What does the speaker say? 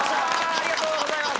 ありがとうございます。